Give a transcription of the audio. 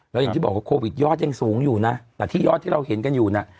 แล้วอย่างที่บอกว่าโควิดยอดยังสูงอยู่นะแต่ที่ยอดที่เราเห็นกันอยู่น่ะ